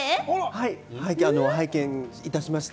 はい、拝見いたしました。